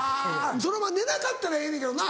そのまま寝なかったらええねんけどな。